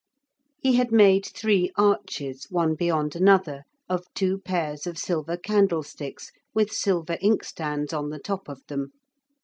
He had made three arches, one beyond another, of two pairs of silver candlesticks with silver inkstands on the top of them.